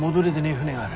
船がある。